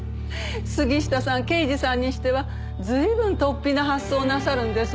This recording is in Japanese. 杉下さん刑事さんにしては随分突飛な発想をなさるんですのね。